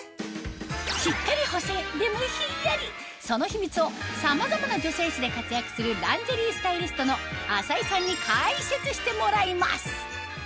しっかり補整でもヒンヤリその秘密をさまざまな女性誌で活躍するランジェリースタイリストの浅井さんに解説してもらいます